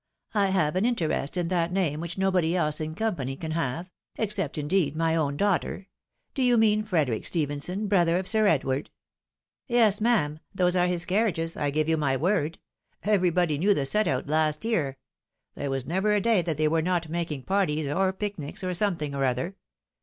I have an interest in that name which nobody else in company can have —except, indeed, my own daughter. Do you mean Frederic Stephenson, brother of Sir Edward ?" 176 THE WIDOW MARRIED. " Yes, ma'am ; those are his carriages, I give you my word. Everybody knew the set out last year ; there was never a day that they were not making parties or pic nics, or something or other.